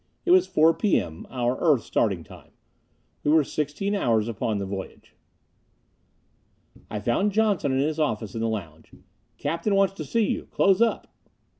It was 4 P. M. our Earth starting time. We were sixteen hours upon our voyage. I found Johnson in his office in the lounge. "Captain wants to see you. Close up."